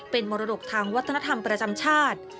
เป็นมรดกทางวัฒนธรรมประจำชาติ